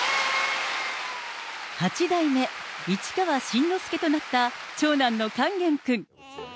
八代目市川新之助となった長男の勸玄君。